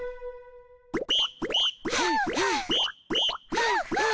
はあはあ。